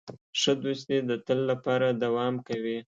ښه دوستي د تل لپاره دوام کوي.